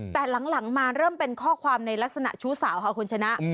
แต่หลังมาเริ่มเป็นข้อความในลักษณะชู้สาวค่ะคุณชนะ